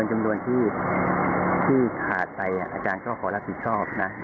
จำนวนที่ขาดไปอาจารย์ก็ขอรับผิดชอบนะ